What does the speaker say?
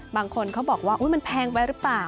บางคนเขาบอกว่ามันแพงไว้หรือเปล่า